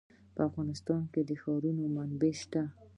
په افغانستان کې د ښارونه منابع شته.